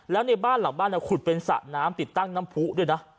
แล้วในบ้านหลังบ้านขุดเป็นสระน้ำติดตั้งน้ำผู้ด้วยนะ